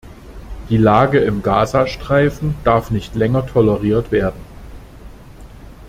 Die Lage im Gaza-Streifen darf nicht länger toleriert werden.